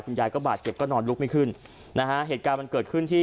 ยายก็บาดเจ็บก็นอนลุกไม่ขึ้นนะฮะเหตุการณ์มันเกิดขึ้นที่